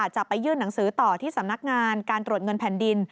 จะไปยื่นหนังสือต่อที่สำนักงานการตรวจเงินแผ่นดิน